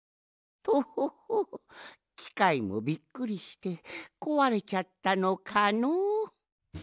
とほほきかいもびっくりしてこわれちゃったのかのう。